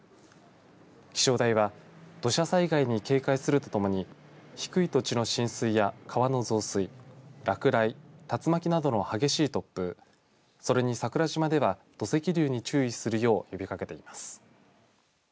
気象台は土砂災害に警戒するとともに低い土地の浸水や川の増水落雷、竜巻などの激しい突風それに桜島では土石流に注意するよう呼びかけています。